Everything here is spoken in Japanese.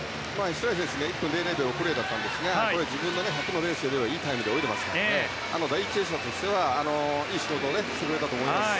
１分００秒６０だったんですがこれは自分の１００ｍのレースいい感じで泳いでますから第１泳者としてはいい仕事をしてくれたと思います。